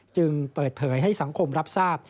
จึงเปิดเผยให้สังคมรับทราบ